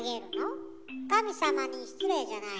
神様に失礼じゃないの？